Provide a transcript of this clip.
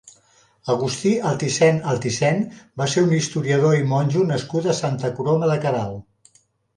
Agustí Altisent Altisent va ser un historiador i monjo nascut a Santa Coloma de Queralt.